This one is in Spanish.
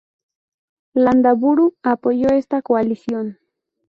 Landaburu apoyó esta coalición.